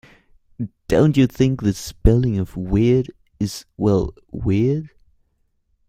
Don't you think the spelling of weird is, well, weird?